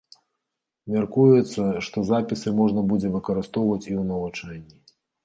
Мяркуецца, што запісы можна будзе выкарыстоўваць і ў навучанні.